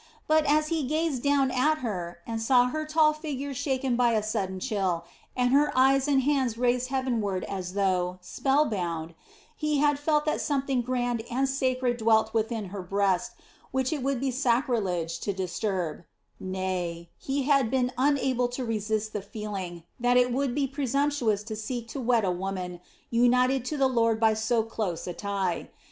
But as he gazed down at her and saw her tall figure shaken by a sudden chill, and her eyes and hands raised heavenward as though, spell bound, he had felt that something grand and sacred dwelt within her breast which it would be sacrilege to disturb; nay, he had been unable to resist the feeling that it would be presumptuous to seek to wed a woman united to the Lord by so close a tie.